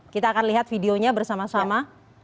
kita akan lihat videonya bersama sama